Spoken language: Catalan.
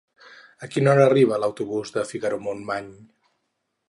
A quina hora arriba l'autobús de Figaró-Montmany?